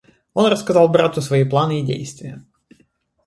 Он рассказал брату свои планы и действия.